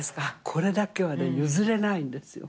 これだけはね譲れないんですよ。